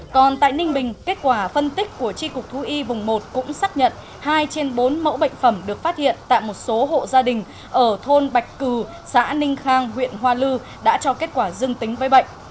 còn tại ninh bình kết quả phân tích của tri cục thú y vùng một cũng xác nhận hai trên bốn mẫu bệnh phẩm được phát hiện tại một số hộ gia đình ở thôn bạch cử xã ninh khang huyện hoa lư đã cho kết quả dưng tính với bệnh